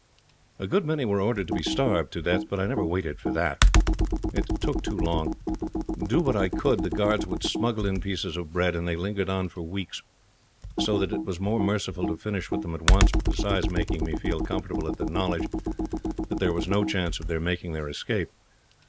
"A good many were ordered to be starved to death. But I never waited for that. It took too long. Do what I could, the guards would smuggle in pieces of bread, and they lingered on for weeks; so that it was more merciful to finish with them at once, besides making me feel comfortable at the knowledge that there was no chance of their making their escape.